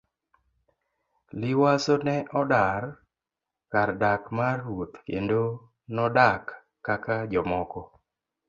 Liwazo ne odar kar dak mar ruoth kendo nodak kaka jomoko.